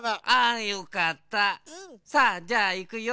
さあじゃあいくよ